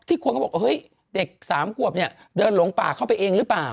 คนก็บอกเฮ้ยเด็ก๓ขวบเนี่ยเดินหลงป่าเข้าไปเองหรือเปล่า